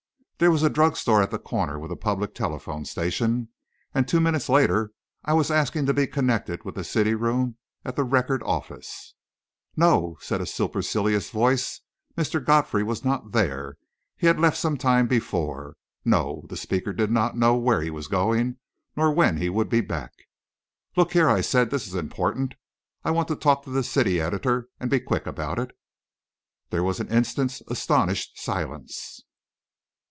There was a drugstore at the corner with a public telephone station, and two minutes later, I was asking to be connected with the city room at the Record office. No, said a supercilious voice, Mr. Godfrey was not there; he had left some time before; no, the speaker did not know where he was going, nor when he would be back. "Look here," I said, "this is important. I want to talk to the city editor and be quick about it." There was an instant's astonished silence.